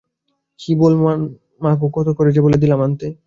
কী ভুলো মন মাগো কত করে যে বলে দিলাম আনতে?